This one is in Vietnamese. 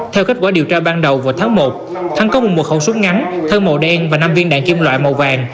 theo kết quả điều tra ban đầu vào tháng một thắng có một khẩu súng ngắn thơ màu đen và năm viên đạn kim loại màu vàng